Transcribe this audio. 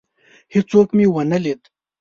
هیڅوک مي ونه لید.